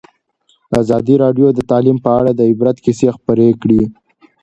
ازادي راډیو د تعلیم په اړه د عبرت کیسې خبر کړي.